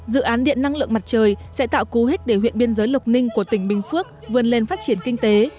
dự án điện năng lượng mặt trời sẽ tạo cú hích để huyện biên giới lộc ninh của tỉnh bình phước vươn lên phát triển kinh tế